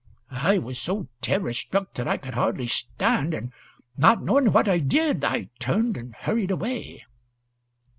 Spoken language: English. I was so terror struck that I could hardly stand, and, not knowing what I did, I turned and hurried away."